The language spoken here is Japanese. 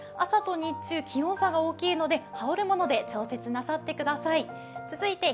朝と日中気温差が大きいので羽織るもので調節なさってください。